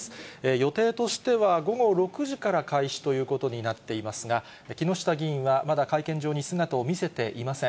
予定としては午後６時から開始ということになっていますが、木下議員はまだ会見場に姿を見せていません。